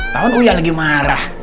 tau gak uya lagi marah